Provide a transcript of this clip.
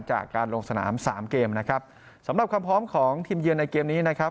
จากการลงสนามสามเกมนะครับสำหรับความพร้อมของทีมเยือนในเกมนี้นะครับ